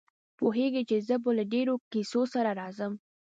پوهېږي چې زه به له ډېرو کیسو سره راځم.